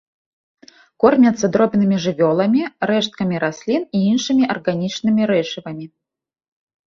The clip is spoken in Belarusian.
Кормяцца дробнымі жывёламі, рэшткамі раслін і іншымі арганічнымі рэчывамі.